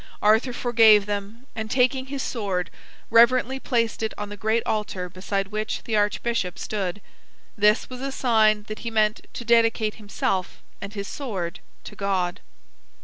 Arthur forgave them, and taking his sword, reverently placed it on the great altar beside which the archbishop stood. This was a sign that he meant to dedicate himself and his sword to God.